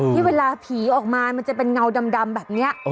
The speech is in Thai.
ที่เวลาผีออกมามันจะเป็นเงาดำแบบนี้